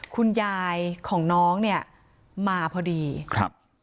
คุณยายของน้องเนี่ยมาพอดีครับ